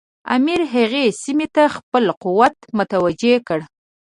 امیر هغې سیمې ته خپل قوت متوجه کړ.